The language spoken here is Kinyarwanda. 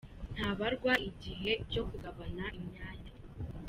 ntabarwa igihe cyo kugabana imyanya.